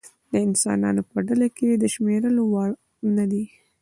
د انسانانو په ډله کې د شمېرلو وړ نه دی.